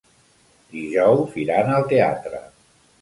Dijous iran al teatre.